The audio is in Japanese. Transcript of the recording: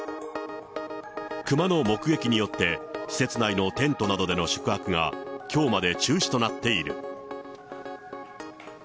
クマの目撃によって、施設内のテントなどでの宿泊が、きょうまで中止となっている。